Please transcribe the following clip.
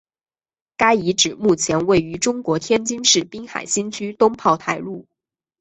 该遗址目前位于中国天津市滨海新区东炮台路。